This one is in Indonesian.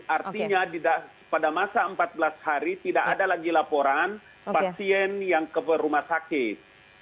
artinya pada masa empat belas hari tidak ada lagi laporan pasien yang ke rumah sakit